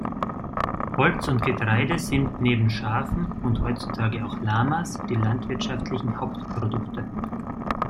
Holz und Getreide sind neben Schafen, und heutzutage auch Lamas, die landwirtschaftlichen Hauptprodukte.